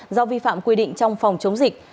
do vi phạm quy định trong phòng chống dịch